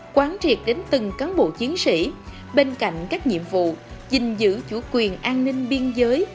quán triệt đến từng cán bộ chiến sĩ bên cạnh các nhiệm vụ gìn giữ chủ quyền an ninh biên giới